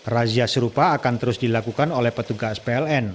razia serupa akan terus dilakukan oleh petugas pln